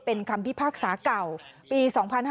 เป็นคำพิพากษาเก่าปี๒๕๕๙